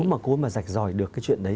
nếu mà cô ấy mà giạch giỏi được cái chuyện đấy